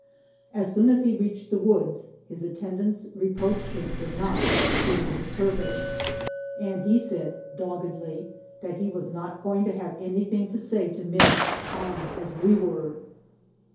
As soon as he readied the woods, his attendants rq^oaehed him fcur not ex* ecnting his purpose, and he said, dog^dly, that he was not going to have anything to say to men armed as we were.